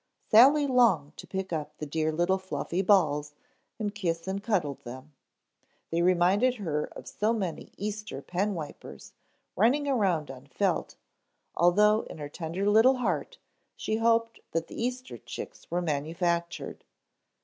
Sally longed to pick up the dear little fluffy balls and kiss and cuddle them. They reminded her of so many Easter penwipers running around on felt, although in her tender little heart she hoped that the Easter chicks were manufactured.